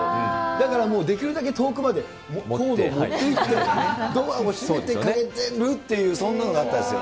だからもうできるだけ遠くまでコードを持っていって、ドアを閉めて、そんなことがあったんですよ。